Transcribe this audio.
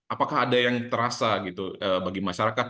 apakah ada yang terasa gitu bagi masyarakat